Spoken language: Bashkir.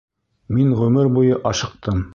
Мин ғүмер буйы ашыҡтым.